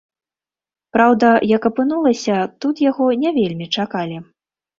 Праўда, як апынулася, тут яго не вельмі чакалі.